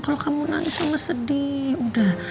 kalau kamu nangis sama sedih udah